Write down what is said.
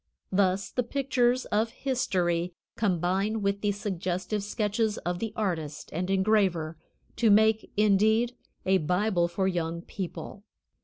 Thus the pictures of history combine with the suggestive sketches of the artist and engraver, to make, indeed, a Bible for Young People.